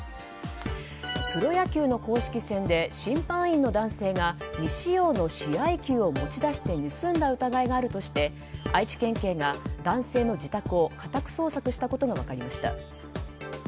プロ野球の公式戦で審判員の男性が未使用の試合球を持ち出して盗んだ疑いがあるとして愛知県警が男性の自宅を家宅捜索したことが分かりました。